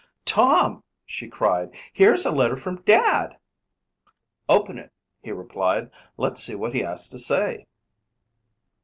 "Tom," she cried, "here's a letter from Dad!" "Open it," he replied. "Let's see what he has to say."